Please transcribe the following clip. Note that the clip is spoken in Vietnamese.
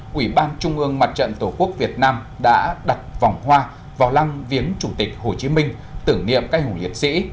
quỹ ban trung ương mặt trận tổ quốc việt nam đã đặt vòng hoa vào lăng viếng chủ tịch hồ chí minh tử niệm cây hồ liệt sĩ